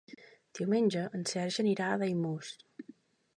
Diumenge en Sergi anirà a Daimús.